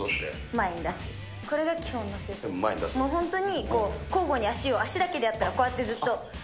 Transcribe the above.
本当にこう、交互に足を足だけでやったら、こうやってずっと。